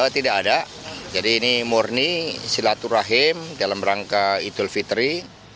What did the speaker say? tidak ada jadi ini murni silaturahim dalam rangka idul fitri